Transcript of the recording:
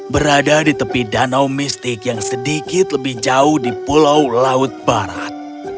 berada di tepi danau mistik yang sedikit lebih jauh di pulau laut barat